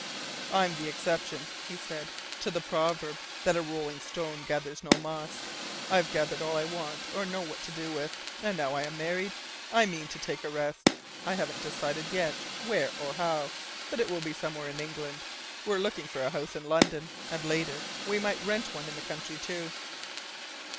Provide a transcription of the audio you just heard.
"I'm the exception," he said, "to the proverb that 'a rolling stone gathers no moss.' I've gathered all I want or know what to do with; and now I'm married I mean to take a rest. I haven't decided yet where or how, but it will be somewhere in England. We're looking for a house in London, and later we might rent one in the country, too."